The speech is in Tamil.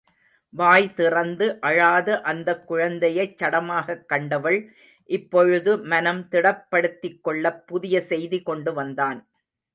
வாய் திறந்து அழாத அந்தக் குழந்தையைச் சடமாகக் கண்டவள் இப்பொழுது மனம் திடப்படுத்திக்கொள்ளப் புதிய செய்தி கொண்டு வந்தான்.